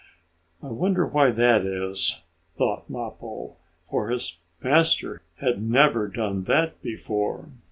"I wonder why that is," thought Mappo, for his master had never done that before.